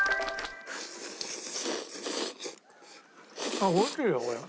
あっおいしいよこれ。